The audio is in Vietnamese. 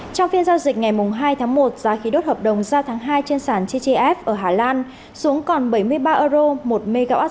trong phiên giao dịch ngày hai tháng một giá khí đốt hợp đồng giao tháng hai trên sản ttf ở hà lan xuống còn bảy mươi ba euro một mw